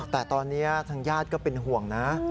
แต่ตอนนี้ทางญาติก็เป็นห่วงนะ